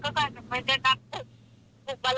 เราก็ยังไม่ได้นุ่งผ้าเลยต้องสิ่งทุกอย่างที่พอมาอยู่ในโลกมนุษย์